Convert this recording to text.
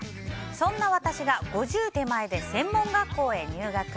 そんな私が５０手前で専門学校に入学。